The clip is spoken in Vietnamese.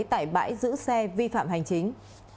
tại bãi giữ xe vi phạm hành chính